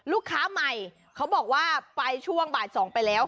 ลูกค้าใหม่เขาบอกว่าไปช่วงบ่าย๒ไปแล้ว